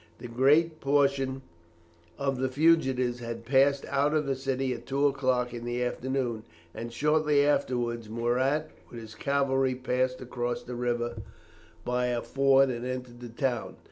The greater portion of the fugitives had passed out of the city at two o'clock in the afternoon, and shortly afterwards Murat with his cavalry passed across the river by a ford and entered the town.